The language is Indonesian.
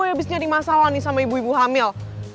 abis nyari masalah nih sama ibu ibu hamil